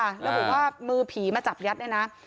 แล้วบอกว่ามือผีมาจับยัดเนี่ยนะ